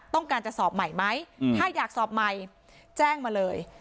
ต้องการจะสอบใหม่ไหมถ้าอยากสอบใหม่แจ้งมาเลย